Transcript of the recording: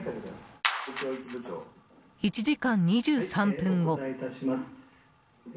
１時間２３分後。